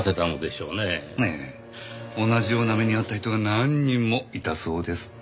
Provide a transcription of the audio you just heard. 同じような目に遭った人が何人もいたそうです。